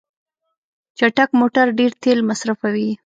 چټک موټر ډیر تېل مصرفوي.